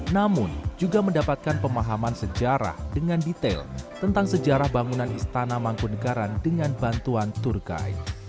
namun juga mendapatkan pemahaman sejarah dengan detail tentang sejarah bangunan istana mangku negara dengan bantuan turkai